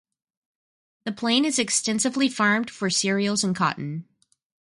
The plain is extensively farmed for cereals and cotton.